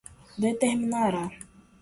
determinará